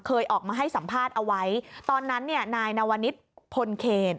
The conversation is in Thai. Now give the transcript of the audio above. เคยออกมาให้สัมภาษณ์เอาไว้ตอนนั้นเนี่ยนายนวนิษฐ์พลเคน